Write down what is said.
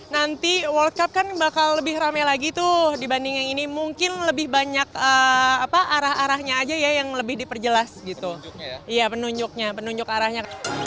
nanti world cup kan bakal lebih rame lagi tuh dibanding yang ini mungkin lebih banyak arah arahnya aja ya yang lebih diperjelas gitu ya penunjuknya penunjuk arahnya